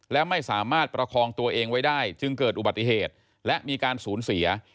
และไม่สามารถประคองตัวเองไว้ได้จึงเกิดอุบัติเหตุและมีการสูญเสีย